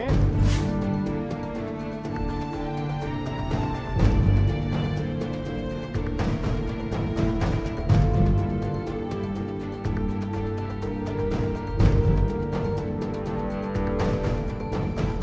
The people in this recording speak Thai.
มค